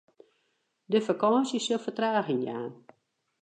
De fakânsje sil fertraging jaan.